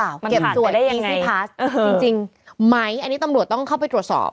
มันขัดเหลได้ยังไงจริงไรอันนี้ตำรวจต้องเข้าไปตรวจสอบ